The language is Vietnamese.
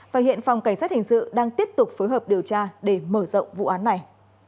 và hiện phòng cảnh sát hình sự đang tiếp tục phối hợp điều tra để mở rộng vụ án này